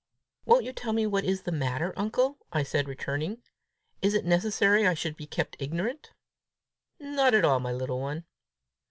"Won't you tell me what is the matter, uncle?" I said, returning. "Is it necessary I should be kept ignorant?" "Not at all, my little one."